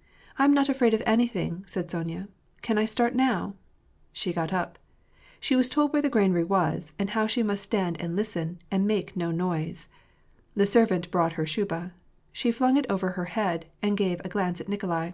" I am not afraid of anything," said Sonya. " Can I start now ?" She got up. She was told where the granary was, and how she must stand and listen, and make no noise. The servant brought her shuba. She flung it over her head, and gave a glance at Nikolai.